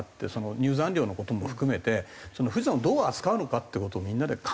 入山料の事も含めて富士山をどう扱うのかって事をみんなで考えないと。